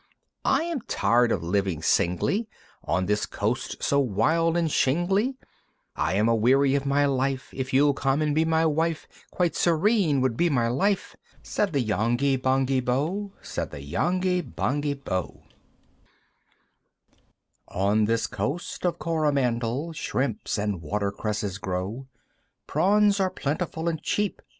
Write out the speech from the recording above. "I am tired of living singly, "On this coast so wild and shingly, "I'm a weary of my life; "If you'll come and be my wife, "Quite serene would be my life!" Said the Yonghy Bonghy Bò, Said the Yonghy Bonghy Bò. IV. "On this Coast of Coromandel, "Shrimps and watercresses grow, "Prawns are plentiful and cheap."